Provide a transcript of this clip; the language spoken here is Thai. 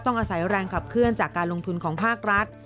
อาศัยแรงขับเคลื่อนจากการลงทุนของภาครัฐ